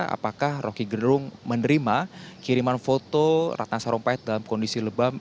apakah roky gerung menerima kiriman foto ratna sarumpait dalam kondisi lebam